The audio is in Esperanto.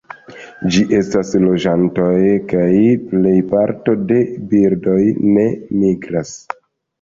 Ĝi estas loĝantoj, kaj plej parto de birdoj ne migras.